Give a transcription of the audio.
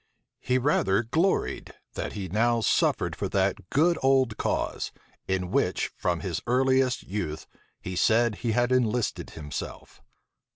He rather gloried, that he now suffered for that "good old cause," in which, from his earliest youth, he said he had enlisted himself.